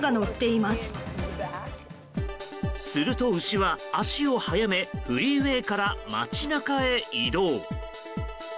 すると、牛は足を速めフリーウェーから街中へ移動。